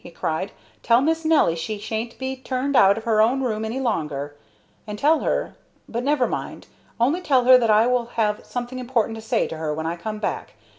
he cried. "Tell Miss Nelly she sha'n't be turned out of her own room any longer, and tell her But never mind; only tell her that I will have something important to say to her when I come back.